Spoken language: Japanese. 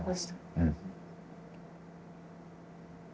うん。